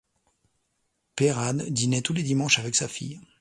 Peyrade dînait tous les dimanches avec sa fille.